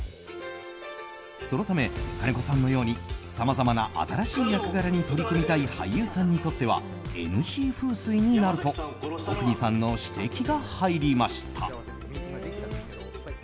そのため、金子さんのようにさまざまな新しい役柄に取り組みたい俳優さんにとってはＮＧ風水になると阿国さんの指摘が入りました。